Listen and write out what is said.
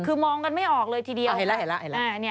คือมองกันไม่ออกเลยอยู่ทีเดียวก่อน